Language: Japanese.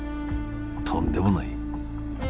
とんでもない。